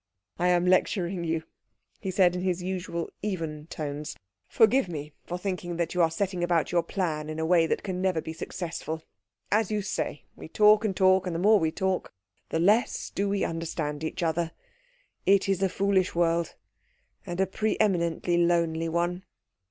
"I am lecturing you," he said in his usual even tones, "Forgive me for thinking that you are setting about your plan in a way that can never be successful. As you say, we talk and talk, and the more we talk the less do we understand each other. It is a foolish world, and a pre eminently lonely one."